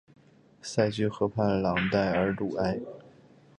塞居河畔朗代尔鲁埃。